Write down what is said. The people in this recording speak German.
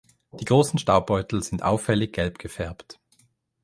Die großen Staubbeutel sind auffällig gelb gefärbt.